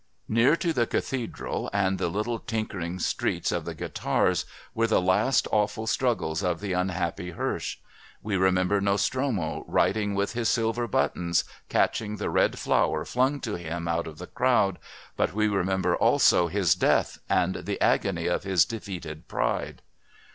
Near to the cathedral and the little tinkering streets of the guitars were the last awful struggles of the unhappy Hirsch. We remember Nostromo riding, with his silver buttons, catching the red flower flung to him out of the crowd, but we remember also his death and the agony of his defeated pride.